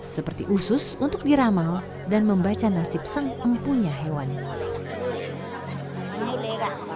seperti usus untuk diramal dan membaca nasib sempunya hewan ini